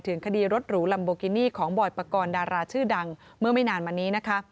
คดีรถหรูลัมโบกินี่ของบอยปกรณ์ดาราชื่อดังเมื่อไม่นานมานี้นะคะ